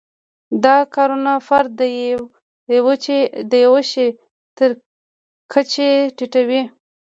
دا کارونه فرد د یوه شي تر کچې ټیټوي.